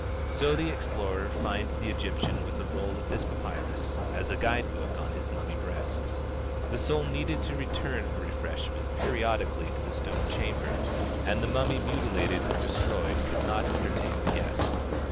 So the explorer finds the Egyptian with a roll of this papyrus as a guide book on his mummy breast. The soul needed to return for refreshment periodically to the stone chamber, and the mummy mutilated or destroyed could not entertain the guest.